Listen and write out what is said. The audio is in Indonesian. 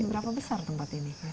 berapa besar tempat ini